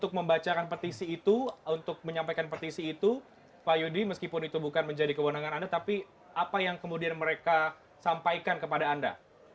untuk membacakan petisi itu untuk menyampaikan petisi itu pak yudi meskipun itu bukan menjadi kewenangan anda tapi apa yang kemudian mereka sampaikan kepada anda